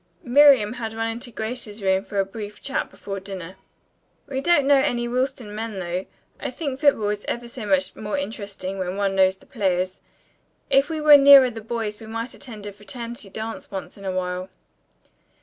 Miriam had run into Grace's room for a brief chat before dinner. "We don't know any Willston men, though. I think football is ever so much more interesting when one knows the players. If we were nearer the boys we might attend a fraternity dance once in a while."